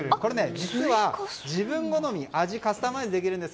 実は自分好みに味をカスタマイズできるんです。